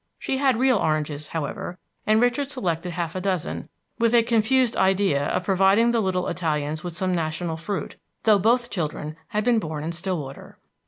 She had real oranges, however, and Richard selected half a dozen, with a confused idea of providing the little Italians with some national fruit, though both children had been born in Stillwater.